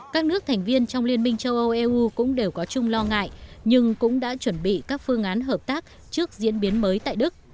các nước thành viên trong liên minh châu âu eu cũng đều có chung lo ngại nhưng cũng đã chuẩn bị các phương án hợp tác trước diễn biến mới tại đức